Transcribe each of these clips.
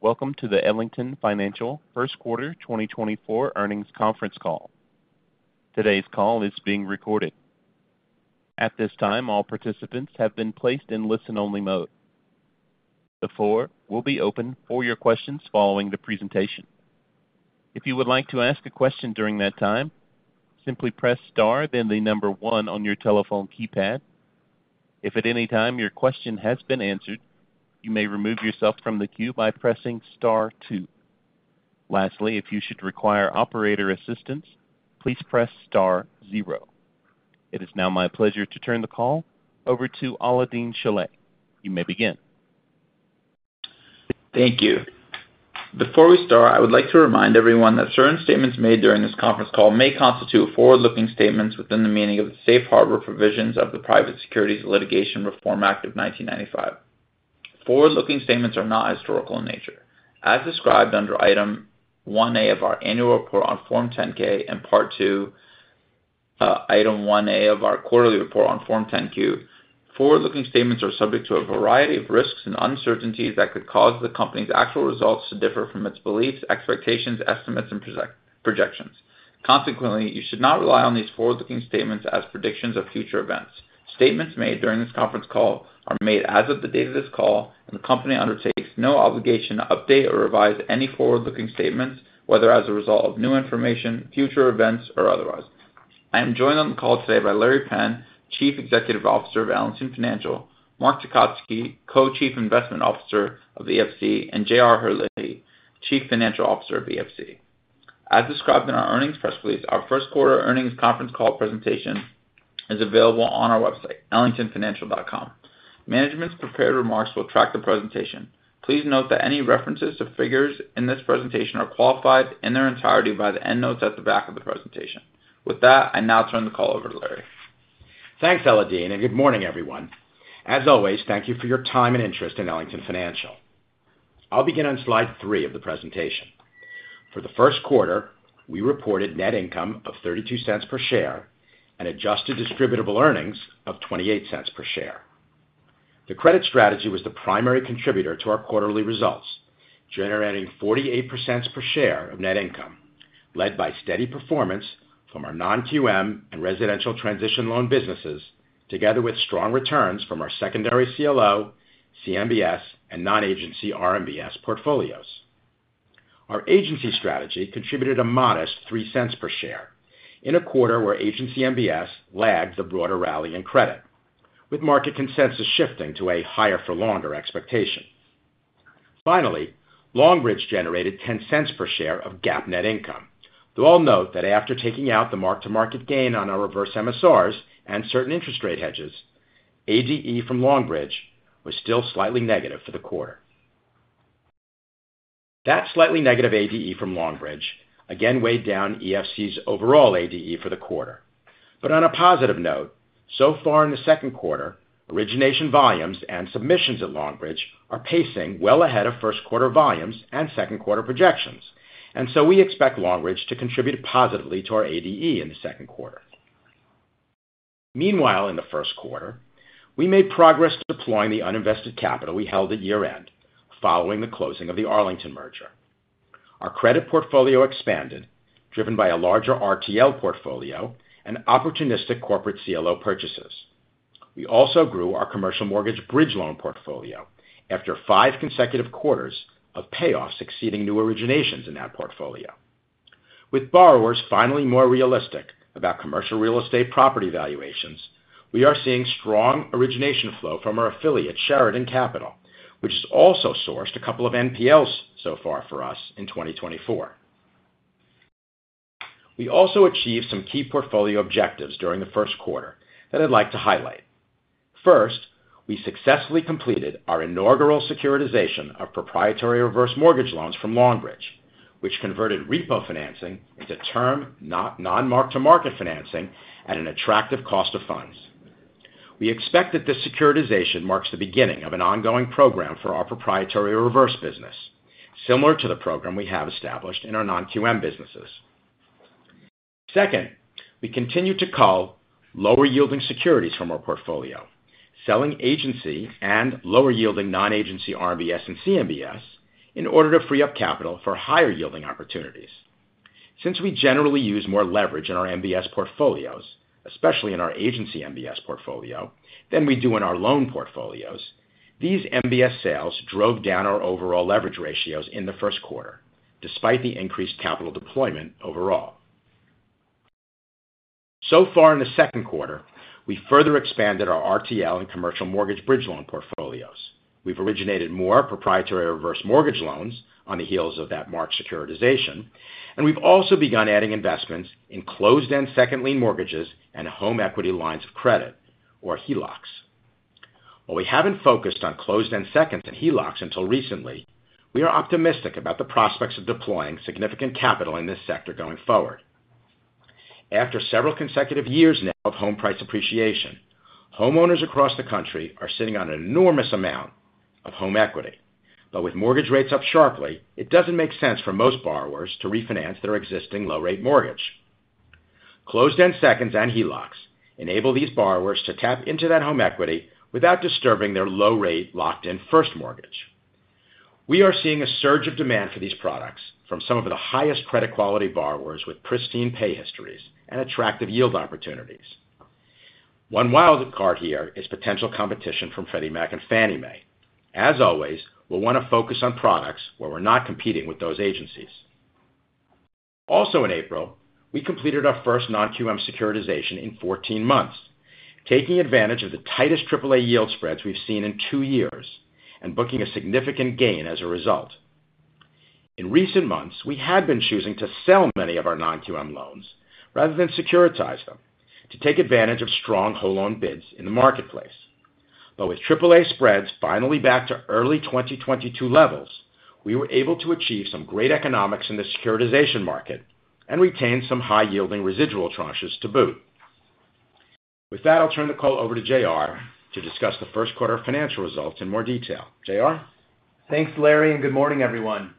Welcome to the Ellington Financial first quarter 2024 earnings conference call. Today's call is being recorded. At this time, all participants have been placed in listen-only mode. The floor will be open for your questions following the presentation. If you would like to ask a question during that time, simply press star, then the number one on your telephone keypad. If at any time your question has been answered, you may remove yourself from the queue by pressing star two. Lastly, if you should require operator assistance, please press star zero. It is now my pleasure to turn the call over to Alaeddine Chalat. You may begin. Thank you. Before we start, I would like to remind everyone that certain statements made during this conference call may constitute forward-looking statements within the meaning of the Safe Harbor Provisions of the Private Securities Litigation Reform Act of 1995. Forward-looking statements are not historical in nature. As described under Item 1A of our annual report on Form 10-K and Part II, Item 1A of our quarterly report on Form 10-Q, forward-looking statements are subject to a variety of risks and uncertainties that could cause the company's actual results to differ from its beliefs, expectations, estimates, and projections. Consequently, you should not rely on these forward-looking statements as predictions of future events. Statements made during this conference call are made as of the date of this call, and the company undertakes no obligation to update or revise any forward-looking statements, whether as a result of new information, future events, or otherwise. I am joined on the call today by Larry Penn, Chief Executive Officer of Ellington Financial, Mark Tecotzky, Co-Chief Investment Officer of EFC, and J.R. Herlihy, Chief Financial Officer of EFC. As described in our earnings press release, our first quarter earnings conference call presentation is available on our website, ellingtonfinancial.com. Management's prepared remarks will track the presentation. Please note that any references to figures in this presentation are qualified in their entirety by the endnotes at the back of the presentation. With that, I now turn the call over to Larry. Thanks, Alaeddine, and good morning, everyone. As always, thank you for your time and interest in Ellington Financial. I'll begin on slide three of the presentation. For the first quarter, we reported net income of $0.32 per share and adjusted distributable earnings of $0.28 per share. The credit strategy was the primary contributor to our quarterly results, generating 48% per share of net income, led by steady performance from our Non-QM and residential transition loan businesses, together with strong returns from our secondary CLO, CMBS, and non-agency RMBS portfolios. Our agency strategy contributed a modest $0.03 per share in a quarter where agency MBS lagged the broader rally in credit, with market consensus shifting to a higher-for-longer expectation. Finally, Longbridge generated $0.10 per share of GAAP net income, though I'll note that after taking out the mark-to-market gain on our reverse MSRs and certain interest rate hedges, ADE from Longbridge was still slightly negative for the quarter. That slightly negative ADE from Longbridge again weighed down EFC's overall ADE for the quarter. But on a positive note, so far in the second quarter, origination volumes and submissions at Longbridge are pacing well ahead of first quarter volumes and second quarter projections, and so we expect Longbridge to contribute positively to our ADE in the second quarter. Meanwhile, in the first quarter, we made progress deploying the uninvested capital we held at year-end, following the closing of the Arlington merger. Our credit portfolio expanded, driven by a larger RTL portfolio and opportunistic corporate CLO purchases. We also grew our commercial mortgage bridge loan portfolio after five consecutive quarters of payoffs exceeding new originations in that portfolio. With borrowers finally more realistic about commercial real estate property valuations, we are seeing strong origination flow from our affiliate, Sheridan Capital, which has also sourced a couple of NPLs so far for us in 2024. We also achieved some key portfolio objectives during the first quarter that I'd like to highlight. First, we successfully completed our inaugural securitization of proprietary reverse mortgage loans from Longbridge, which converted repo financing into term non-mark-to-market financing at an attractive cost of funds. We expect that this securitization marks the beginning of an ongoing program for our proprietary reverse business, similar to the program we have established in our non-QM businesses. Second, we continue to call lower-yielding securities from our portfolio, selling agency and lower-yielding non-agency RMBS and CMBS in order to free up capital for higher-yielding opportunities. Since we generally use more leverage in our MBS portfolios, especially in our agency MBS portfolio, than we do in our loan portfolios, these MBS sales drove down our overall leverage ratios in the first quarter, despite the increased capital deployment overall. So far in the second quarter, we further expanded our RTL and commercial mortgage bridge loan portfolios. We've originated more proprietary reverse mortgage loans on the heels of that March securitization, and we've also begun adding investments in closed-end second lien mortgages and home equity lines of credit, or HELOCs. While we haven't focused on closed-end seconds and HELOCs until recently, we are optimistic about the prospects of deploying significant capital in this sector going forward. After several consecutive years now of home price appreciation, homeowners across the country are sitting on an enormous amount of home equity. But with mortgage rates up sharply, it doesn't make sense for most borrowers to refinance their existing low-rate mortgage. Closed-end seconds and HELOCs enable these borrowers to tap into that home equity without disturbing their low rate locked-in first mortgage. We are seeing a surge of demand for these products from some of the highest credit quality borrowers with pristine pay histories and attractive yield opportunities. One wild card here is potential competition from Freddie Mac and Fannie Mae. As always, we'll want to focus on products where we're not competing with those agencies. Also in April, we completed our first non-QM securitization in 14 months, taking advantage of the tightest triple A yield spreads we've seen in two years and booking a significant gain as a result. In recent months, we had been choosing to sell many of our non-QM loans rather than securitize them, to take advantage of strong whole loan bids in the marketplace. But with triple-A spreads finally back to early 2022 levels, we were able to achieve some great economics in the securitization market and retain some high-yielding residual tranches to boot. With that, I'll turn the call over to J.R. to discuss the first quarter financial results in more detail. J.R.? Thanks, Larry, and good morning, everyone.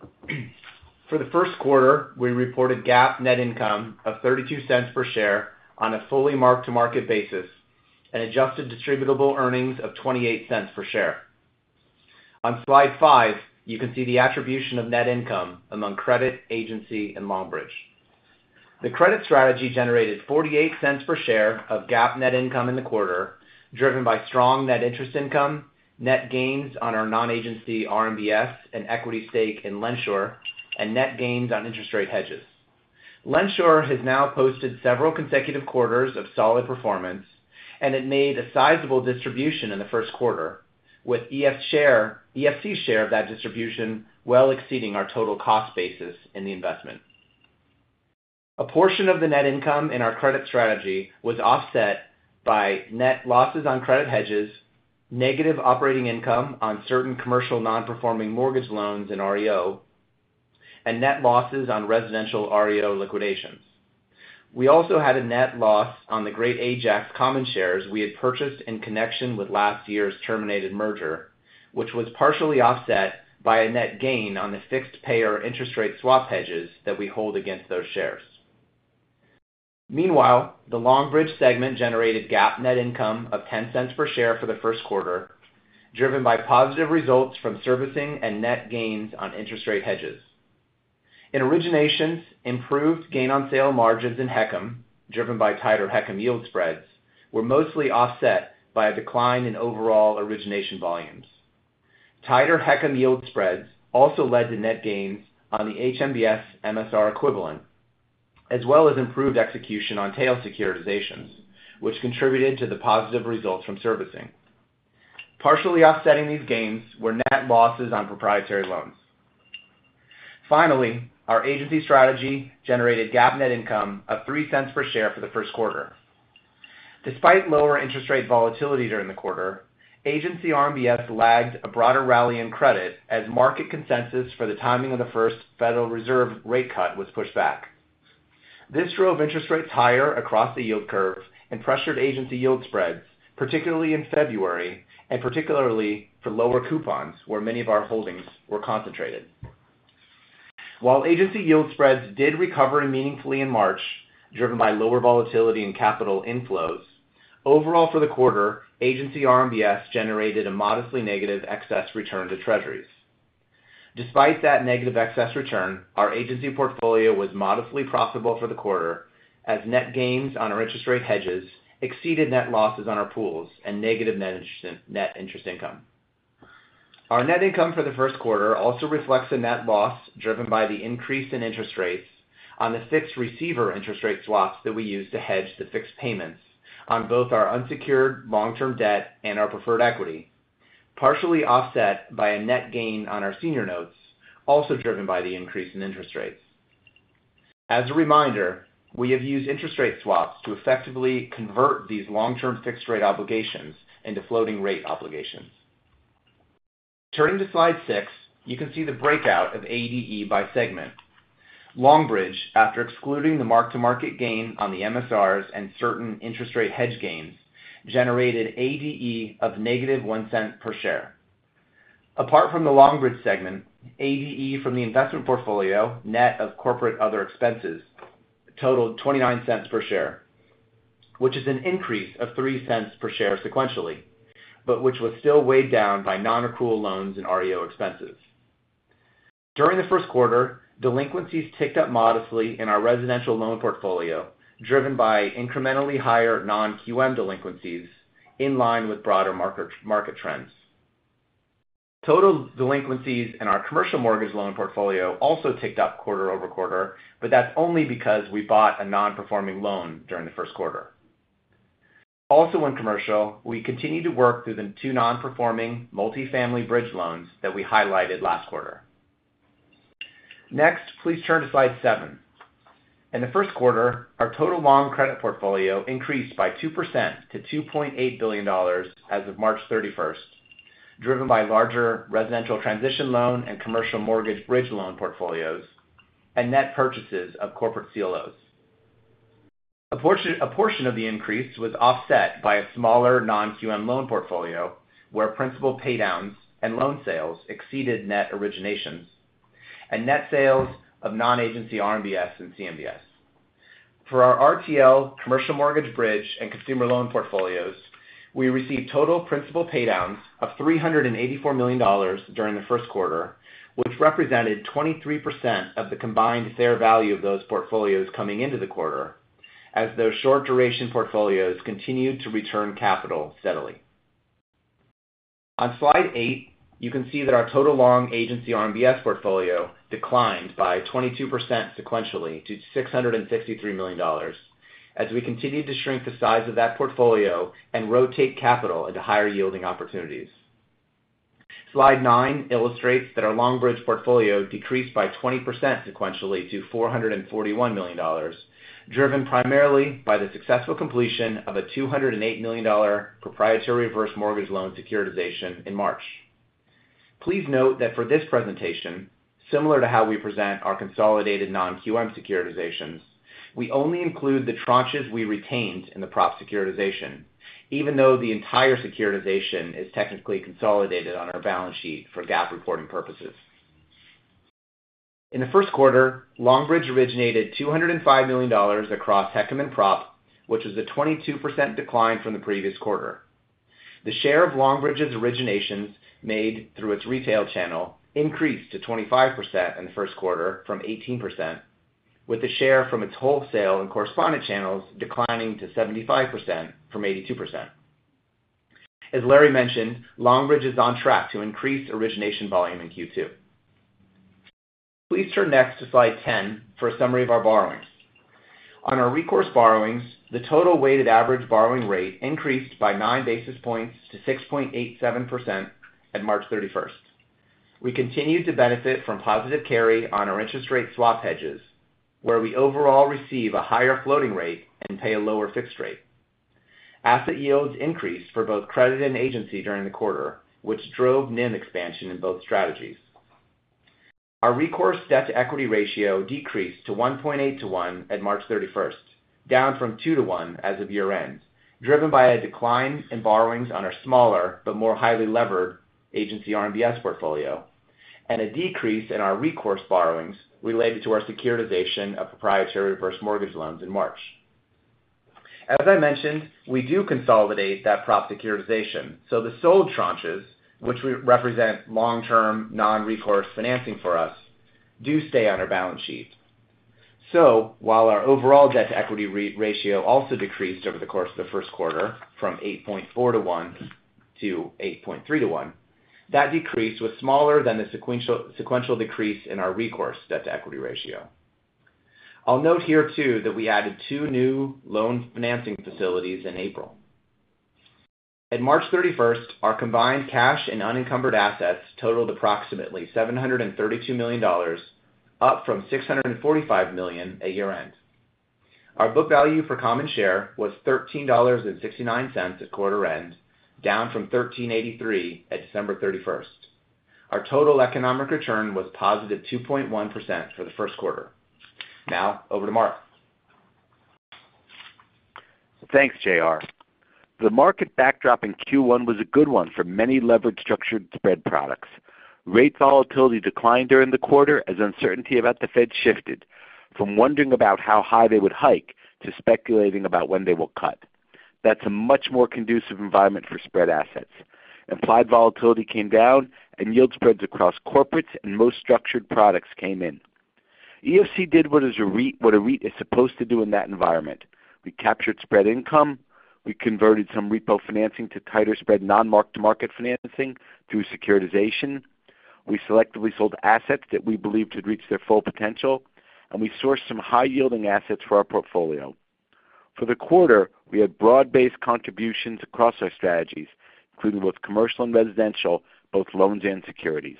For the first quarter, we reported GAAP net income of $0.32 per share on a fully mark-to-market basis and adjusted distributable earnings of $0.28 per share. On slide five, you can see the attribution of net income among credit, agency, and Longbridge. The credit strategy generated $0.48 per share of GAAP net income in the quarter, driven by strong net interest income, net gains on our non-agency RMBS and equity stake in LendSure, and net gains on interest rate hedges. LendSure has now posted several consecutive quarters of solid performance, and it made a sizable distribution in the first quarter, with EFC share of that distribution well exceeding our total cost basis in the investment. A portion of the net income in our credit strategy was offset by net losses on credit hedges, negative operating income on certain commercial non-performing mortgage loans in REO, and net losses on residential REO liquidations. We also had a net loss on the Great Ajax common shares we had purchased in connection with last year's terminated merger, which was partially offset by a net gain on the fixed payer interest rate swap hedges that we hold against those shares. Meanwhile, the Longbridge segment generated GAAP net income of $0.10 per share for the first quarter, driven by positive results from servicing and net gains on interest rate hedges. In originations, improved gain on sale margins in HECM, driven by tighter HECM yield spreads, were mostly offset by a decline in overall origination volumes. Tighter HECM yield spreads also led to net gains on the HMBS MSR equivalent, as well as improved execution on tail securitizations, which contributed to the positive results from servicing. Partially offsetting these gains were net losses on proprietary loans. Finally, our agency strategy generated GAAP net income of $0.03 per share for the first quarter. Despite lower interest rate volatility during the quarter, agency RMBS lagged a broader rally in credit as market consensus for the timing of the first Federal Reserve rate cut was pushed back. This drove interest rates higher across the yield curve and pressured agency yield spreads, particularly in February, and particularly for lower coupons, where many of our holdings were concentrated. While agency yield spreads did recover meaningfully in March, driven by lower volatility and capital inflows, overall for the quarter, agency RMBS generated a modestly negative excess return to Treasuries. Despite that negative excess return, our agency portfolio was modestly profitable for the quarter, as net gains on our interest rate hedges exceeded net losses on our pools and negative net interest income. Our net income for the first quarter also reflects a net loss driven by the increase in interest rates on the fixed receiver interest rate swaps that we use to hedge the fixed payments on both our unsecured long-term debt and our preferred equity, partially offset by a net gain on our senior notes, also driven by the increase in interest rates. As a reminder, we have used interest rate swaps to effectively convert these long-term fixed rate obligations into floating rate obligations. Turning to slide six, you can see the breakout of ADE by segment. Longbridge, after excluding the mark-to-market gain on the MSRs and certain interest rate hedge gains, generated ADE of -$0.01 per share. Apart from the Longbridge segment, ADE from the investment portfolio, net of corporate other expenses, totaled $0.29 per share, which is an increase of $0.03 per share sequentially, but which was still weighed down by non-accrual loans and REO expenses. During the first quarter, delinquencies ticked up modestly in our residential loan portfolio, driven by incrementally higher non-QM delinquencies in line with broader market trends. Total delinquencies in our commercial mortgage loan portfolio also ticked up quarter-over-quarter, but that's only because we bought a non-performing loan during the first quarter. Also, in commercial, we continued to work through the two non-performing multifamily bridge loans that we highlighted last quarter. Next, please turn to slide seven. In the first quarter, our total long credit portfolio increased by 2% to $2.8 billion as of March 31st, driven by larger residential transition loan and commercial mortgage bridge loan portfolios and net purchases of corporate CLOs. A portion of the increase was offset by a smaller non-QM loan portfolio, where principal paydowns and loan sales exceeded net originations and net sales of non-agency RMBS and CMBS. For our RTL commercial mortgage bridge and consumer loan portfolios, we received total principal paydowns of $384 million during the first quarter, which represented 23% of the combined fair value of those portfolios coming into the quarter, as those short-duration portfolios continued to return capital steadily. On slide eight, you can see that our total long agency RMBS portfolio declined by 22% sequentially to $663 million, as we continued to shrink the size of that portfolio and rotate capital into higher-yielding opportunities. Slide nine illustrates that our Longbridge portfolio decreased by 20% sequentially to $441 million, driven primarily by the successful completion of a $208 million dollar proprietary reverse mortgage loan securitization in March. Please note that for this presentation, similar to how we present our consolidated non-QM securitizations, we only include the tranches we retained in the prop securitization, even though the entire securitization is technically consolidated on our balance sheet for GAAP reporting purposes. In the first quarter, Longbridge originated $205 million across HECM and prop, which is a 22% decline from the previous quarter. The share of Longbridge's originations made through its retail channel increased to 25% in the first quarter from 18%, with the share from its wholesale and correspondent channels declining to 75% from 82%. As Larry mentioned, Longbridge is on track to increase origination volume in Q2. Please turn next to slide 10 for a summary of our borrowings. On our recourse borrowings, the total weighted average borrowing rate increased by nine basis points to 6.87% at March 31. We continued to benefit from positive carry on our interest rate swap hedges, where we overall receive a higher floating rate and pay a lower fixed rate. Asset yields increased for both credit and agency during the quarter, which drove NIM expansion in both strategies. Our recourse debt-to-equity ratio decreased to 1.8 to 1 at March 31st, down from two to onw as of year-end, driven by a decline in borrowings on our smaller but more highly levered agency RMBS portfolio, and a decrease in our recourse borrowings related to our securitization of proprietary reverse mortgage loans in March. As I mentioned, we do consolidate that prop securitization, so the sold tranches, which represent long-term, non-recourse financing for us, do stay on our balance sheet. So while our overall debt-to-equity ratio also decreased over the course of the first quarter from 8.4 to one to 8.3 to one, that decrease was smaller than the sequential decrease in our recourse debt-to-equity ratio. I'll note here, too, that we added two new loan financing facilities in April. At March 31, our combined cash and unencumbered assets totaled approximately $732 million, up from $645 million at year-end. Our book value per common share was $13.69 at quarter end, down from $13.83 at December 31. Our total economic return was +2.1% for the first quarter. Now, over to Mark. Thanks, J.R. The market backdrop in Q1 was a good one for many levered structured spread products. Rate volatility declined during the quarter, as uncertainty about the Fed shifted from wondering about how high they would hike to speculating about when they will cut. That's a much more conducive environment for spread assets. Applied volatility came down, and yield spreads across corporates and most structured products came in. EFC did what a REIT is supposed to do in that environment. We captured spread income, we converted some repo financing to tighter spread, non-mark-to-market financing through securitization. We selectively sold assets that we believed had reached their full potential, and we sourced some high-yielding assets for our portfolio. For the quarter, we had broad-based contributions across our strategies, including both commercial and residential, both loans and securities.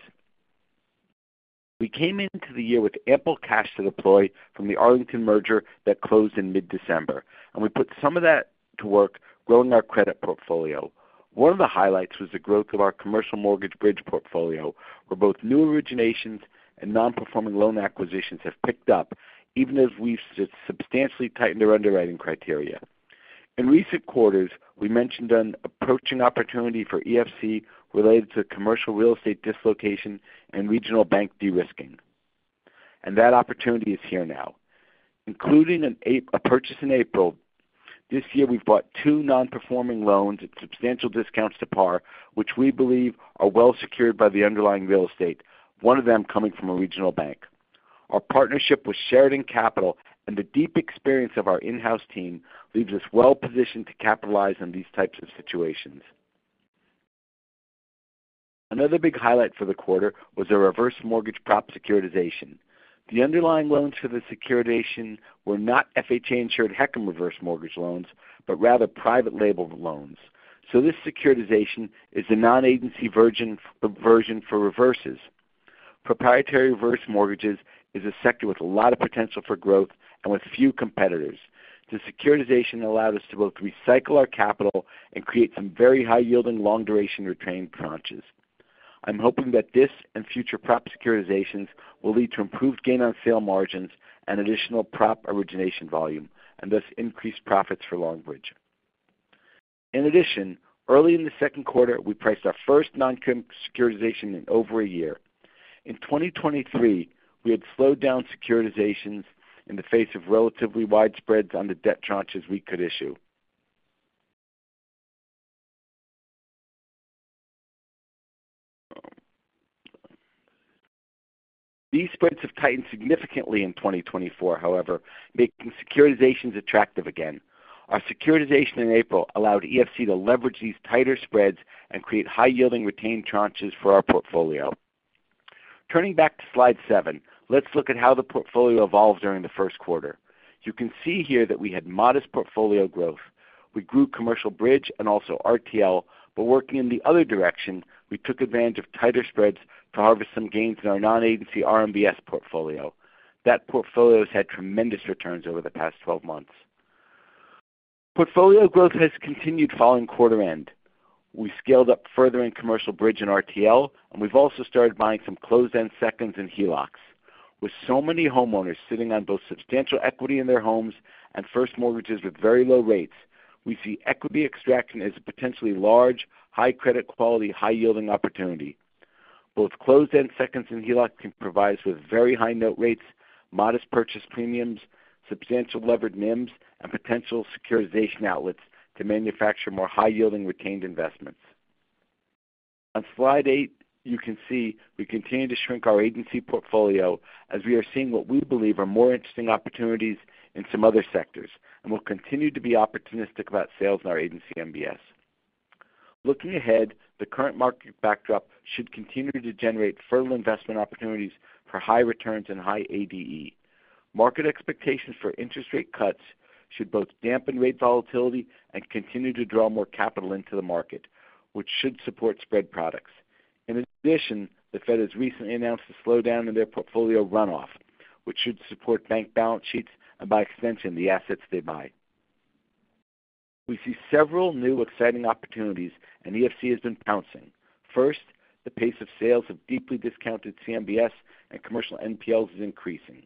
We came into the year with ample cash to deploy from the Arlington merger that closed in mid-December, and we put some of that to work growing our credit portfolio. One of the highlights was the growth of our commercial mortgage bridge portfolio, where both new originations and non-performing loan acquisitions have picked up, even as we've substantially tightened our underwriting criteria. In recent quarters, we mentioned an approaching opportunity for EFC related to commercial real estate dislocation and regional bank de-risking, and that opportunity is here now. Including a purchase in April, this year, we've bought two non-performing loans at substantial discounts to par, which we believe are well secured by the underlying real estate, one of them coming from a regional bank. Our partnership with Sheridan Capital and the deep experience of our in-house team leaves us well positioned to capitalize on these types of situations. Another big highlight for the quarter was a reverse mortgage prop securitization. The underlying loans for the securitization were not FHA-insured HECM reverse mortgage loans, but rather private label loans. So this securitization is the non-agency version for reverses. Proprietary reverse mortgages is a sector with a lot of potential for growth and with few competitors. The securitization allowed us to both recycle our capital and create some very high-yielding, long-duration retained tranches. I'm hoping that this and future prop securitizations will lead to improved gain on sale margins and additional prop origination volume, and thus increased profits for Longbridge. In addition, early in the second quarter, we priced our first non-prime securitization in over a year. In 2023, we had slowed down securitizations in the face of relatively wide spreads on the debt tranches we could issue. These spreads have tightened significantly in 2024, however, making securitizations attractive again. Our securitization in April allowed EFC to leverage these tighter spreads and create high-yielding retained tranches for our portfolio. Turning back to slide seven, let's look at how the portfolio evolved during the first quarter. You can see here that we had modest portfolio growth. We grew commercial bridge and also RTL, but working in the other direction, we took advantage of tighter spreads to harvest some gains in our non-agency RMBS portfolio. That portfolio has had tremendous returns over the past 12 months. Portfolio growth has continued following quarter end. We scaled up further in commercial bridge and RTL, and we've also started buying some closed-end seconds and HELOCs. With so many homeowners sitting on both substantial equity in their homes and first mortgages with very low rates, we see equity extraction as a potentially large, high credit quality, high-yielding opportunity. Both closed-end seconds and HELOC can provide us with very high note rates, modest purchase premiums, substantial levered NIMS, and potential securitization outlets to manufacture more high-yielding retained investments. On slide eight, you can see we continue to shrink our agency portfolio as we are seeing what we believe are more interesting opportunities in some other sectors, and we'll continue to be opportunistic about sales in our agency MBS. Looking ahead, the current market backdrop should continue to generate fertile investment opportunities for high returns and high ADE. Market expectations for interest rate cuts should both dampen rate volatility and continue to draw more capital into the market, which should support spread products. In addition, the Fed has recently announced a slowdown in their portfolio runoff, which should support bank balance sheets and, by extension, the assets they buy. We see several new exciting opportunities, and EFC has been pouncing. First, the pace of sales of deeply discounted CMBS and commercial NPLs is increasing.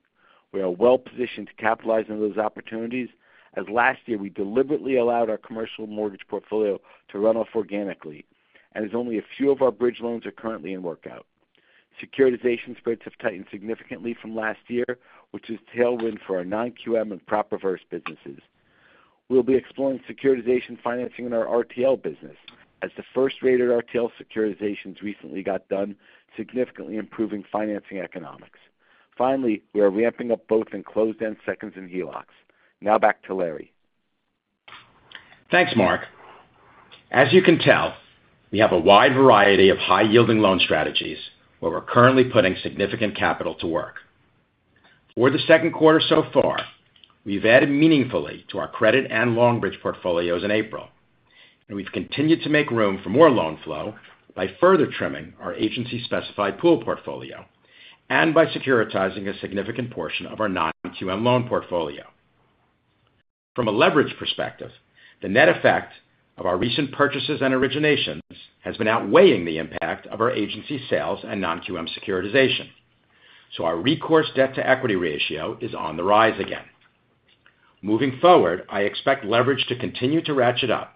We are well positioned to capitalize on those opportunities, as last year, we deliberately allowed our commercial mortgage portfolio to run off organically, and as only a few of our bridge loans are currently in workout. Securitization spreads have tightened significantly from last year, which is tailwind for our non-QM and prop reverse businesses. We'll be exploring securitization financing in our RTL business as the first-rated RTL securitizations recently got done, significantly improving financing economics. Finally, we are ramping up both in closed-end seconds and HELOCs. Now back to Larry. Thanks, Mark. As you can tell, we have a wide variety of high-yielding loan strategies, where we're currently putting significant capital to work. For the second quarter so far, we've added meaningfully to our credit and loan bridge portfolios in April, and we've continued to make room for more loan flow by further trimming our agency specified-pool portfolio and by securitizing a significant portion of our non-QM loan portfolio. From a leverage perspective, the net effect of our recent purchases and originations has been outweighing the impact of our agency sales and non-QM securitization, so our recourse debt-to-equity ratio is on the rise again. Moving forward, I expect leverage to continue to ratchet up,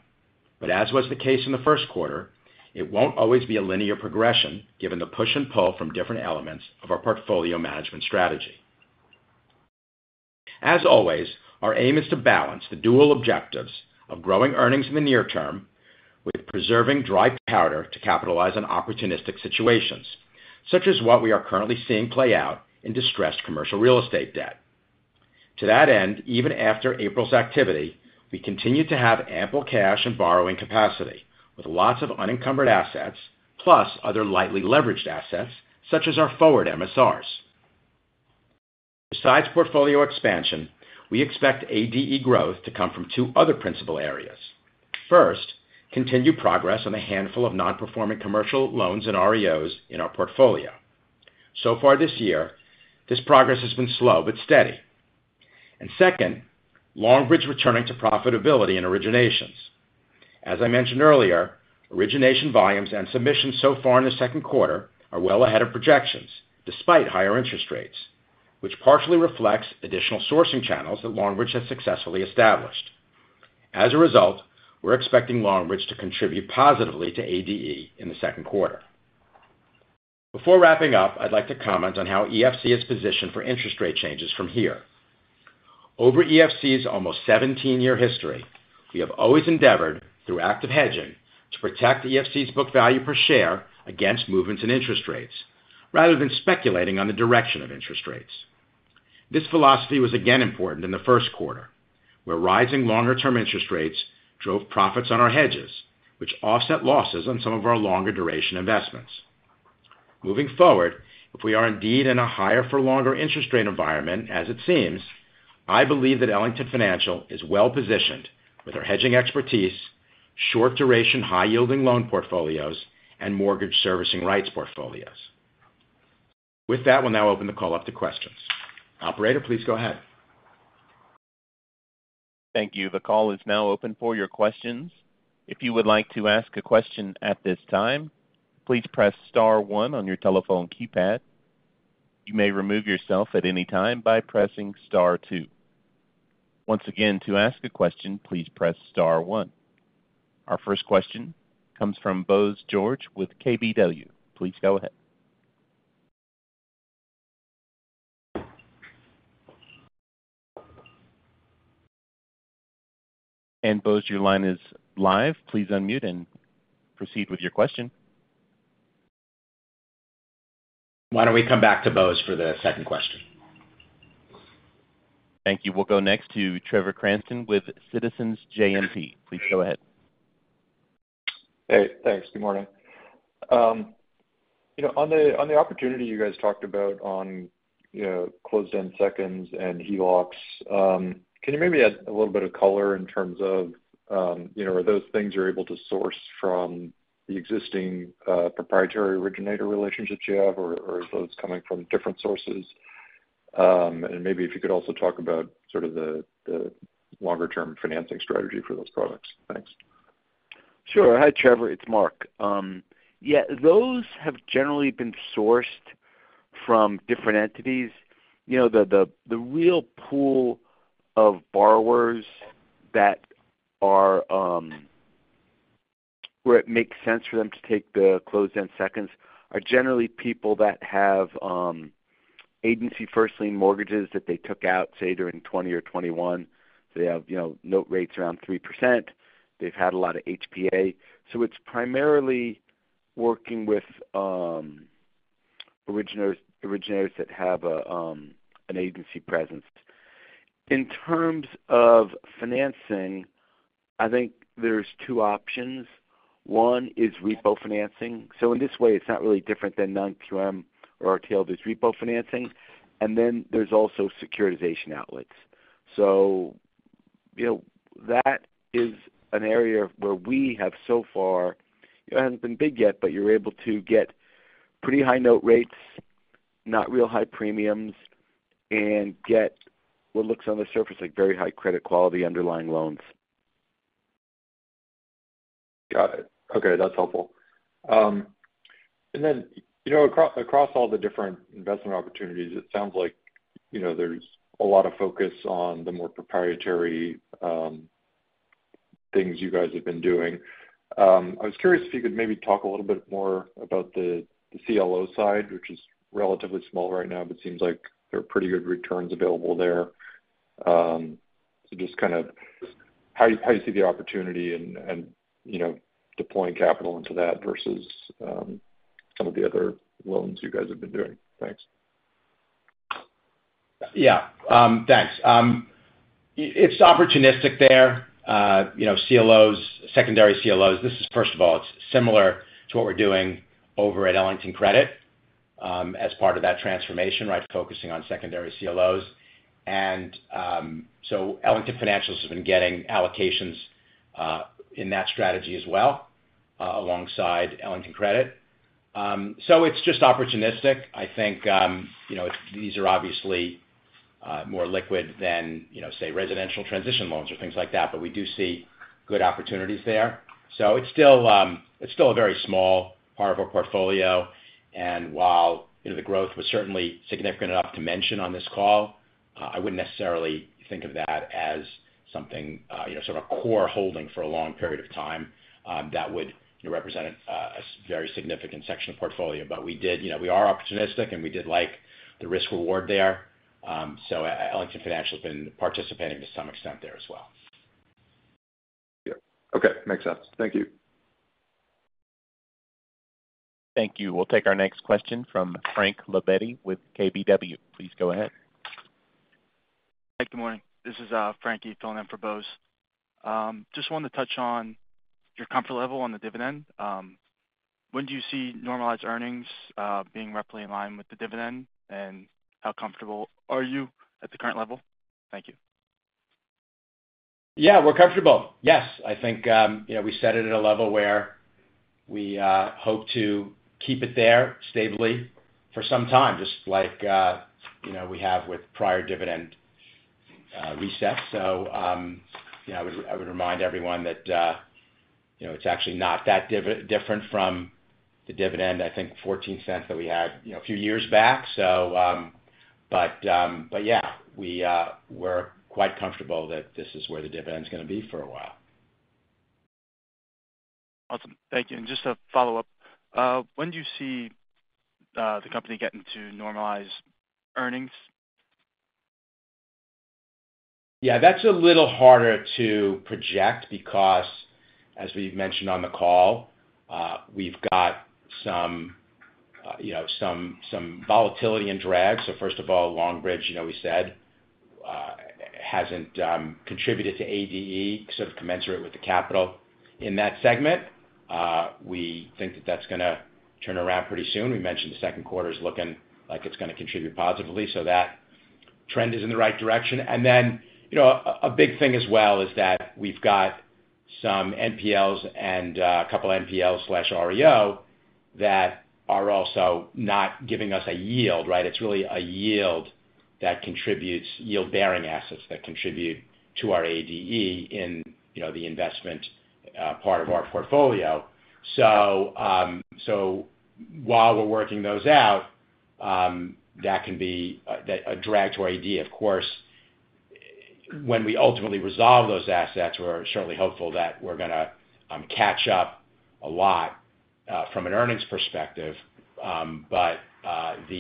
but as was the case in the first quarter, it won't always be a linear progression given the push and pull from different elements of our portfolio management strategy. As always, our aim is to balance the dual objectives of growing earnings in the near term with preserving dry powder to capitalize on opportunistic situations, such as what we are currently seeing play out in distressed commercial real estate debt. To that end, even after April's activity, we continue to have ample cash and borrowing capacity, with lots of unencumbered assets, plus other lightly leveraged assets, such as our forward MSRs. Besides portfolio expansion, we expect ADE growth to come from two other principal areas. First, continued progress on the handful of non-performing commercial loans and REOs in our portfolio. So far this year, this progress has been slow but steady. And second, Longbridge returning to profitability and originations. As I mentioned earlier, origination volumes and submissions so far in the second quarter are well ahead of projections, despite higher interest rates, which partially reflects additional sourcing channels that Longbridge has successfully established. As a result, we're expecting Longbridge to contribute positively to ADE in the second quarter. Before wrapping up, I'd like to comment on how EFC is positioned for interest rate changes from here. Over EFC's almost 17-year history, we have always endeavored, through active hedging, to protect EFC's book value per share against movements in interest rates, rather than speculating on the direction of interest rates. This philosophy was again important in the first quarter, where rising longer-term interest rates drove profits on our hedges, which offset losses on some of our longer-duration investments. Moving forward, if we are indeed in a higher-for-longer interest rate environment, as it seems, I believe that Ellington Financial is well positioned with our hedging expertise, short-duration, high-yielding loan portfolios, and mortgage servicing rights portfolios. With that, we'll now open the call up to questions. Operator, please go ahead. Thank you. The call is now open for your questions. If you would like to ask a question at this time, please press star one on your telephone keypad.... You may remove yourself at any time by pressing star two. Once again, to ask a question, please press star one. Our first question comes from Bose George with KBW. Please go ahead. Bose, your line is live. Please unmute and proceed with your question. Why don't we come back to Bose for the second question? Thank you. We'll go next to Trevor Cranston with Citizens JMP. Please go ahead. Hey, thanks. Good morning. You know, on the opportunity you guys talked about on, you know, closed-end seconds and HELOCs, can you maybe add a little bit of color in terms of, you know, are those things you're able to source from the existing proprietary originator relationships you have, or are those coming from different sources? Maybe if you could also talk about sort of the longer-term financing strategy for those products. Thanks. Sure. Hi, Trevor. It's Mark. Yeah, those have generally been sourced from different entities. You know, the real pool of borrowers that are where it makes sense for them to take the closed-end seconds are generally people that have agency first lien mortgages that they took out, say, during 2020 or 2021. They have, you know, note rates around 3%. They've had a lot of HPA. So it's primarily working with originators, originators that have a an agency presence. In terms of financing, I think there's two options. One is repo financing. So in this way, it's not really different than non-QM or retail, there's repo financing, and then there's also securitization outlets. So, you know, that is an area where we have so far, it hasn't been big yet, but you're able to get pretty high note rates, not real high premiums, and get what looks on the surface like very high credit quality underlying loans. Got it. Okay, that's helpful. And then, you know, across all the different investment opportunities, it sounds like, you know, there's a lot of focus on the more proprietary things you guys have been doing. I was curious if you could maybe talk a little bit more about the CLO side, which is relatively small right now, but seems like there are pretty good returns available there. So just kind of how you see the opportunity and, you know, deploying capital into that versus some of the other loans you guys have been doing. Thanks. Yeah, thanks. It's opportunistic there. You know, CLOs, secondary CLOs, this is, first of all, it's similar to what we're doing over at Ellington Credit, as part of that transformation, right? Focusing on secondary CLOs. And, so Ellington Financial has been getting allocations, in that strategy as well, alongside Ellington Credit. So it's just opportunistic. I think, you know, these are obviously, more liquid than, you know, say, residential transition loans or things like that, but we do see good opportunities there. So it's still a very small part of our portfolio, and while, you know, the growth was certainly significant enough to mention on this call, I wouldn't necessarily think of that as something, you know, sort of core holding for a long period of time, that would represent a very significant section of portfolio. But we did... You know, we are opportunistic, and we did like the risk reward there. So Ellington Financial has been participating to some extent there as well. Yeah. Okay, makes sense. Thank you. Thank you. We'll take our next question from Frank Lovallo with KBW. Please go ahead. Hey, good morning. This is Frank filling in for Bose. Just wanted to touch on your comfort level on the dividend. When do you see normalized earnings being roughly in line with the dividend, and how comfortable are you at the current level? Thank you. Yeah, we're comfortable. Yes. I think, you know, we set it at a level where we hope to keep it there stably for some time, just like, you know, we have with prior dividend resets. So, you know, I would remind everyone that, you know, it's actually not that different from the dividend, I think $0.14 that we had, you know, a few years back. So, but, but yeah, we're quite comfortable that this is where the dividend is gonna be for a while. Awesome. Thank you. Just a follow-up, when do you see the company getting to normalized earnings? Yeah, that's a little harder to project because, as we've mentioned on the call, we've got some, you know, some volatility and drag. So first of all, Longbridge, you know, we said, hasn't contributed to ADE, sort of commensurate with the capital in that segment. We think that that's gonna turn around pretty soon. We mentioned the second quarter is looking like it's gonna contribute positively, so that trend is in the right direction. And then, you know, a big thing as well is that we've got some NPLs and a couple NPLs/REO that are also not giving us a yield, right? It's really a yield that contributes yield-bearing assets that contribute to our ADE in, you know, the investment part of our portfolio. So, so while we're working those out, that can be a, a drag to our ADE. Of course, when we ultimately resolve those assets, we're certainly hopeful that we're gonna catch up a lot from an earnings perspective. But, the,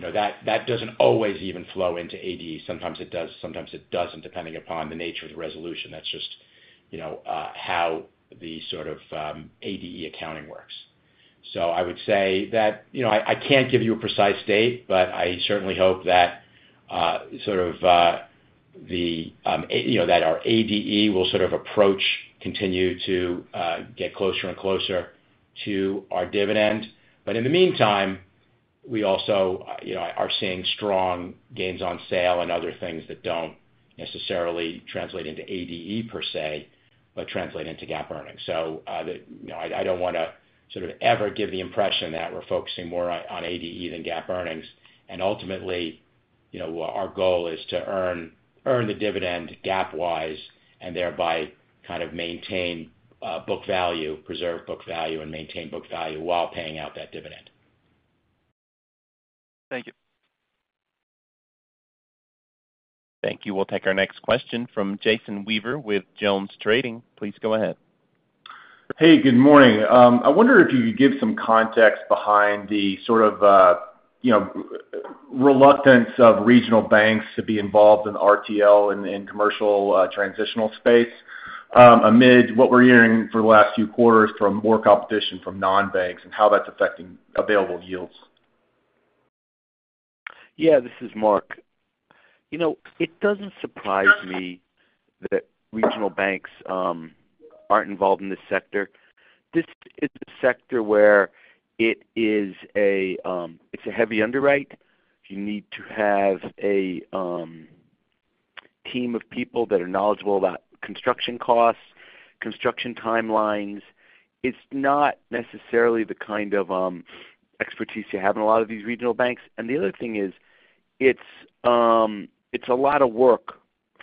you know, that, that doesn't always even flow into ADE. Sometimes it does, sometimes it doesn't, depending upon the nature of the resolution. That's just, you know, how the sort of ADE accounting works. So I would say that, you know, I, I can't give you a precise date, but I certainly hope that, sort of, the, a-- you know, that our ADE will sort of approach, continue to get closer and closer to our dividend. But in the meantime, we also, you know, are seeing strong gains on sale and other things that don't necessarily translate into ADE per se, but translate into GAAP earnings. So, you know, I don't wanna sort of ever give the impression that we're focusing more on ADE than GAAP earnings. And ultimately, you know, our goal is to earn the dividend GAAP-wise, and thereby kind of maintain book value, preserve book value, and maintain book value while paying out that dividend. Thank you. Thank you. We'll take our next question from Jason Weaver with JonesTrading. Please go ahead. Hey, good morning. I wonder if you could give some context behind the sort of, you know, reluctance of regional banks to be involved in RTL and, and commercial, transitional space, amid what we're hearing for the last few quarters from more competition from non-banks and how that's affecting available yields? Yeah, this is Mark. You know, it doesn't surprise me that regional banks aren't involved in this sector. This is a sector where it is a, it's a heavy underwrite. You need to have a team of people that are knowledgeable about construction costs, construction timelines. It's not necessarily the kind of expertise you have in a lot of these regional banks. And the other thing is, it's a lot of work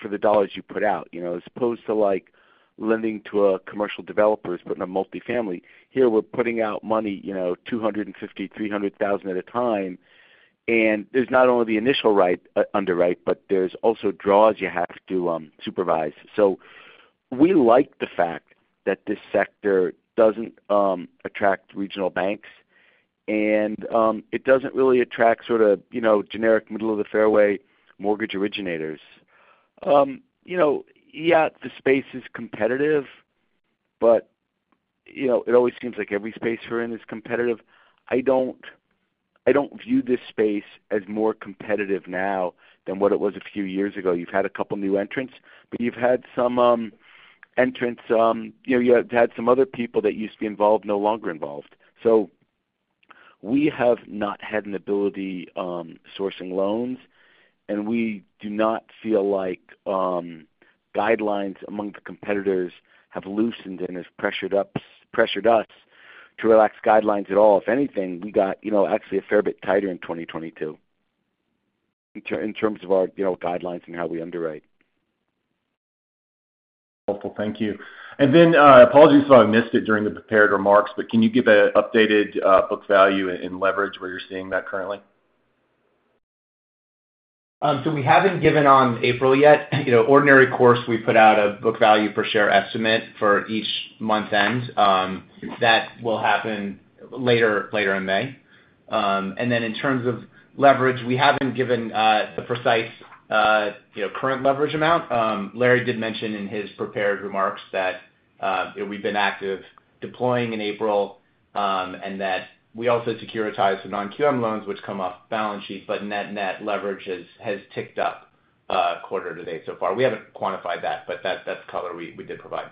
for the dollars you put out, you know. As opposed to, like, lending to a commercial developer who's putting a multifamily. Here, we're putting out money, you know, $250,000-$300,000 at a time, and there's not only the initial right, underwrite, but there's also draws you have to supervise. So we like the fact that this sector doesn't attract regional banks, and it doesn't really attract sort of, you know, generic middle-of-the-fairway mortgage originators. You know, yeah, the space is competitive, but, you know, it always seems like every space we're in is competitive. I don't, I don't view this space as more competitive now than what it was a few years ago. You've had a couple new entrants, but you've had some entrants, you know, you had some other people that used to be involved, no longer involved. So we have not had an ability sourcing loans, and we do not feel like guidelines among the competitors have loosened and has pressured us to relax guidelines at all. If anything, we got, you know, actually a fair bit tighter in 2022, in terms of our, you know, guidelines and how we underwrite. Helpful. Thank you. And then, apologies if I missed it during the prepared remarks, but can you give an updated book value in leverage, where you're seeing that currently? So we haven't given on April yet. You know, ordinary course, we put out a book value per share estimate for each month end. That will happen later, later in May. Then in terms of leverage, we haven't given the precise, you know, current leverage amount. Larry did mention in his prepared remarks that we've been active deploying in April, and that we also securitized some non-QM loans, which come off the balance sheet, but net, net leverage has, has ticked up, quarter to date so far. We haven't quantified that, but that's, that's the color we, we did provide.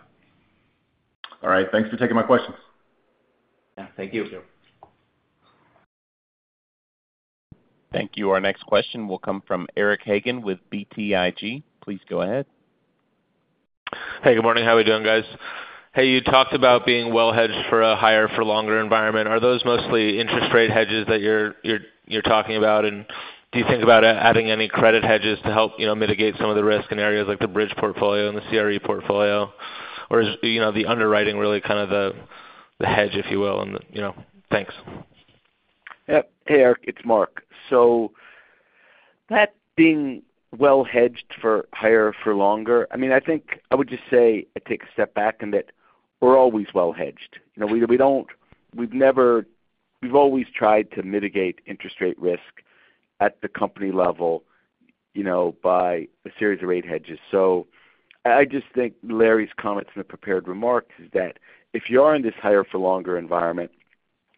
All right, thanks for taking my questions. Yeah, thank you. Thank you. Thank you. Our next question will come from Eric Hagen with BTIG. Please go ahead. Hey, good morning. How we doing, guys? Hey, you talked about being well hedged for a higher for longer environment. Are those mostly interest rate hedges that you're talking about? And do you think about adding any credit hedges to help, you know, mitigate some of the risk in areas like the bridge portfolio and the CRE portfolio? Or is, you know, the underwriting really kind of the hedge, if you will, and, you know... Thanks. Yep. Hey, Eric, it's Mark. So that being well hedged for higher for longer, I mean, I think I would just say I take a step back and that we're always well hedged. You know, we've always tried to mitigate interest rate risk at the company level, you know, by a series of rate hedges. So I, I just think Larry's comments in the prepared remarks is that if you are in this higher for longer environment,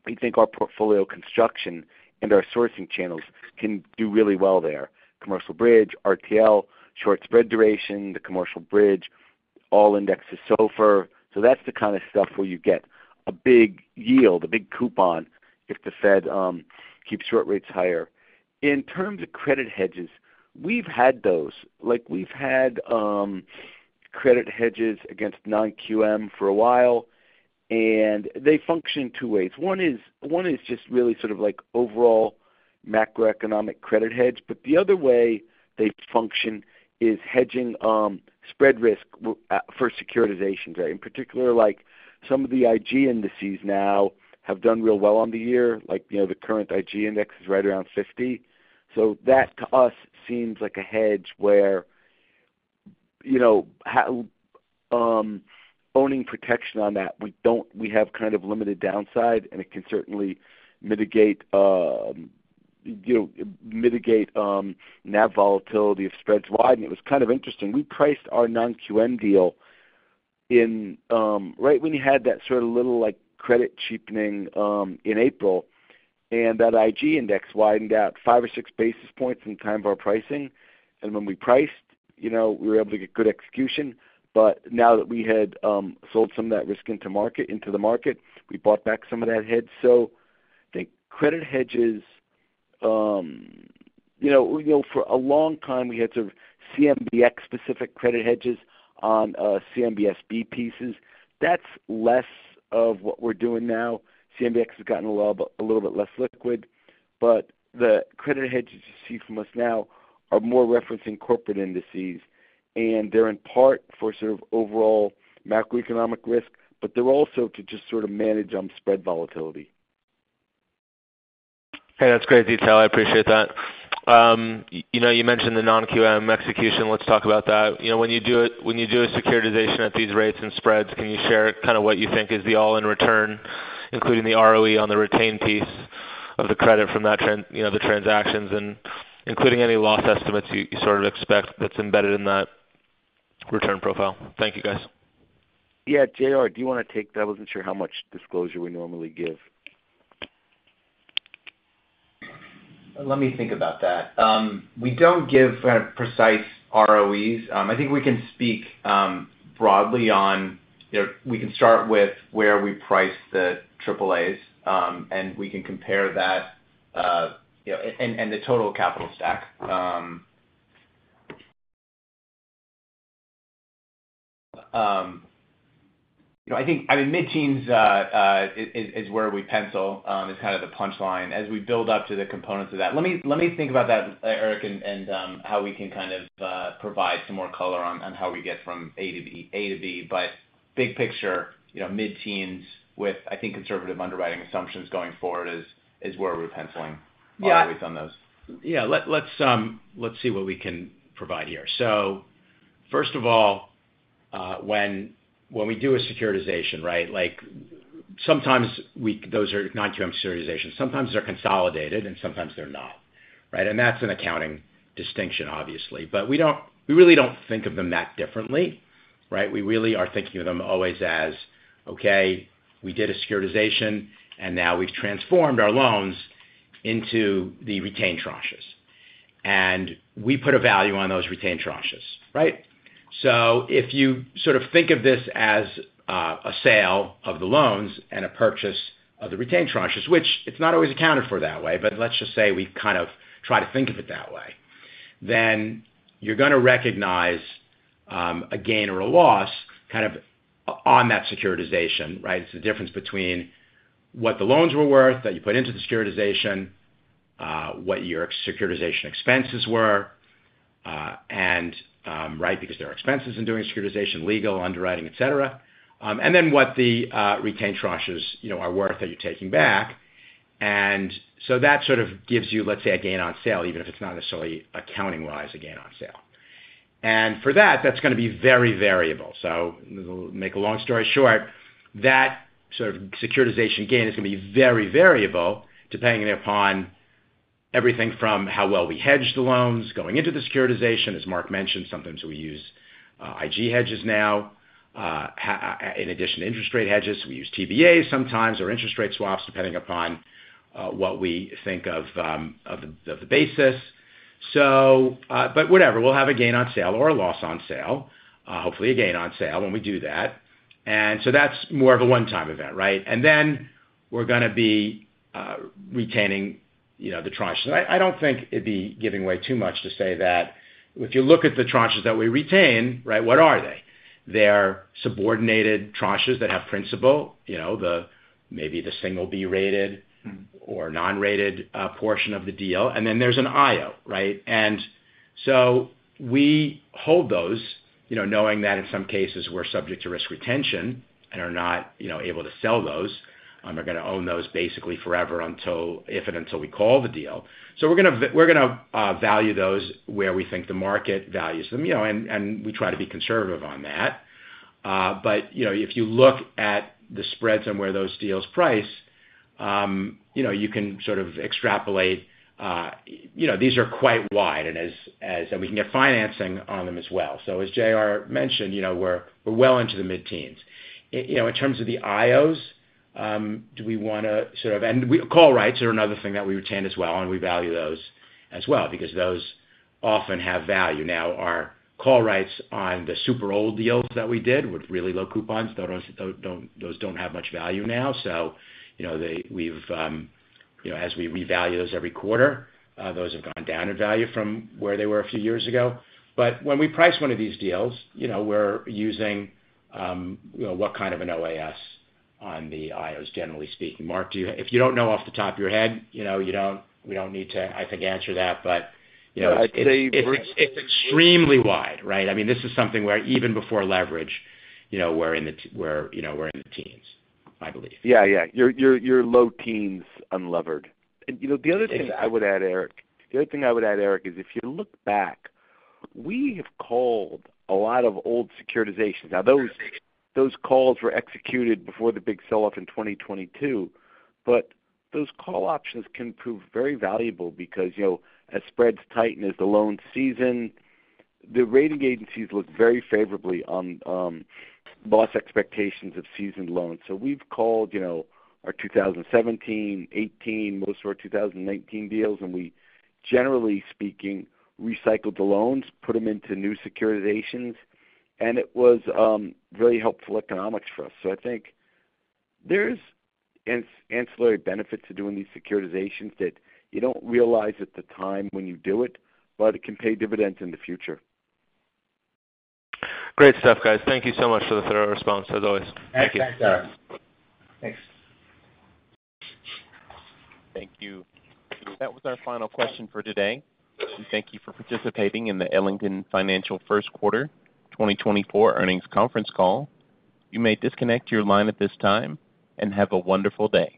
we think our portfolio construction and our sourcing channels can do really well there. Commercial bridge, RTL, short spread duration, the commercial bridge, all indexes SOFR. So that's the kind of stuff where you get a big yield, a big coupon if the Fed keeps short rates higher. In terms of credit hedges, we've had those. Like, we've had, Credit hedges against non-QM for a while, and they function two ways. One is, one is just really sort of like overall macroeconomic credit hedge, but the other way they function is hedging spread risk for securitizations. In particular, like some of the IG indices now have done real well on the year. Like, you know, the current IG index is right around 50. So that, to us, seems like a hedge where, you know, how owning protection on that, we don't, we have kind of limited downside, and it can certainly mitigate, you know, mitigate NAV volatility if spreads widen. It was kind of interesting. We priced our non-QM deal in right when you had that sort of little, like, credit cheapening in April, and that IG index widened out five or six basis points in the time of our pricing. When we priced, you know, we were able to get good execution, but now that we had sold some of that risk into the market, we bought back some of that hedge. So I think credit hedges, you know, for a long time we had sort of CMBX-specific credit hedges on CMBS pieces. That's less of what we're doing now. CMBX has gotten a little bit less liquid, but the credit hedges you see from us now are more referencing corporate indices, and they're in part for sort of overall macroeconomic risk, but they're also to just sort of manage on spread volatility. Hey, that's great detail. I appreciate that. You know, you mentioned the non-QM execution. Let's talk about that. You know, when you do a securitization at these rates and spreads, can you share kind of what you think is the all-in return, including the ROE on the retained piece of the credit from that you know, the transactions, and including any loss estimates you sort of expect that's embedded in that return profile? Thank you, guys. Yeah, J.R., do you wanna take that? I wasn't sure how much disclosure we normally give. Let me think about that. We don't give kind of precise ROEs. I think we can speak broadly on, you know, we can start with where we price the AAAs, and we can compare that, you know, and the total capital stack. You know, I think, I mean, mid-teens is where we pencil is kind of the punch line. As we build up to the components of that... Let me think about that, Eric, and how we can kind of provide some more color on how we get from A to B, A to B. But big picture, you know, mid-teens with, I think, conservative underwriting assumptions going forward is where we're penciling- Yeah. our ROEs on those. Yeah. Let's see what we can provide here. So first of all, when we do a securitization, right, like sometimes those are non-QM securitizations, sometimes they're consolidated and sometimes they're not, right? And that's an accounting distinction, obviously. But we don't, we really don't think of them that differently, right? We really are thinking of them always as, okay, we did a securitization, and now we've transformed our loans into the retained tranches. And we put a value on those retained tranches, right? So if you sort of think of this as a sale of the loans and a purchase of the retained tranches, which it's not always accounted for that way, but let's just say we kind of try to think of it that way, then you're gonna recognize a gain or a loss kind of on that securitization, right? It's the difference between what the loans were worth that you put into the securitization, what your securitization expenses were, and right, because there are expenses in doing securitization, legal, underwriting, et cetera. And then what the retained tranches, you know, are worth that you're taking back. And so that sort of gives you, let's say, a gain on sale, even if it's not necessarily accounting-wise a gain on sale. And for that, that's gonna be very variable. So to make a long story short, that sort of securitization gain is gonna be very variable, depending upon everything from how well we hedged the loans going into the securitization. As Mark mentioned, sometimes we use IG hedges now in addition to interest rate hedges. We use TBAs sometimes or interest rate swaps, depending upon what we think of the basis. So, but whatever, we'll have a gain on sale or a loss on sale, hopefully a gain on sale when we do that. And so that's more of a one-time event, right? And then we're gonna be retaining, you know, the tranches. I don't think it'd be giving away too much to say that if you look at the tranches that we retain, right, what are they? They're subordinated tranches that have principal, you know, maybe the single B-rated- Mm-hmm. or non-rated portion of the deal, and then there's an IO, right? And so we hold those, you know, knowing that in some cases we're subject to risk retention and are not, you know, able to sell those, and we're gonna own those basically forever until, if and until we call the deal. So we're gonna value those where we think the market values them, you know, and we try to be conservative on that. But, you know, if you look at the spreads and where those deals price, you know, you can sort of extrapolate, you know, these are quite wide and as we can get financing on them as well. So as J.R. mentioned, you know, we're well into the mid-teens. You know, in terms of the IOs, do we wanna sort of... And call rights are another thing that we retain as well, and we value those as well, because those often have value. Now, our call rights on the super old deals that we did with really low coupons, those don't have much value now. So, you know, they've, you know, as we revalue those every quarter, those have gone down in value from where they were a few years ago. But when we price one of these deals, you know, we're using, you know, what kind of an OAS on the IOs, generally speaking. Mark, do you... If you don't know off the top of your head, you know, you don't, we don't need to, I think, answer that. But, you know- No, I'd say- It's extremely wide, right? I mean, this is something where even before leverage, you know, we're in the teens, I believe. Yeah, yeah, you're low teens, unlevered. And, you know, the other thing I would add, Eric, the other thing I would add, Eric, is if you look back, we have called a lot of old securitizations. Now, those calls were executed before the big sell-off in 2022, but those call options can prove very valuable because, you know, as spreads tighten, as the loans season, the rating agencies look very favorably on loss expectations of seasoned loans. So we've called, you know, our 2017, 2018, most of our 2019 deals, and we, generally speaking, recycled the loans, put them into new securitizations, and it was very helpful economics for us. So I think there's ancillary benefits to doing these securitizations that you don't realize at the time when you do it, but it can pay dividends in the future. Great stuff, guys. Thank you so much for the thorough response, as always. Thank you. Thanks. Thank you. That was our final question for today. We thank you for participating in the Ellington Financial first quarter 2024 earnings conference call. You may disconnect your line at this time, and have a wonderful day.